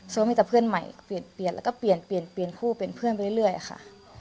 ส่วนมากมีแต่เพื่อนใหม่เปลี่ยนแล้วก็เปลี่ยนเปลี่ยนผู้เปลี่ยนเพื่อนไปเรื่อยอ่ะค่ะ